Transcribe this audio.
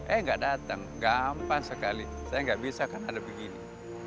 eh tidak datang gampang sekali saya tidak bisa karena ada begini